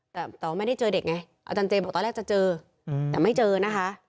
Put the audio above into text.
แต่ว่าไม่ได้เจอเด็กไงอาจารย์เจบอกตอนแรกจะเจอแต่ไม่เจอนะคะ